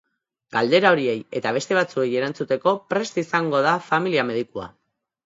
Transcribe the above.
Galdera horiei eta beste batzuei erantzuteko prest izango da familia-medikua.